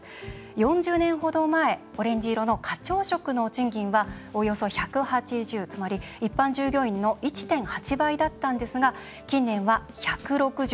４０年程前、オレンジ色の課長職の賃金は、およそ１８０つまり一般従業員の１．８倍だったんですが近年は１６０。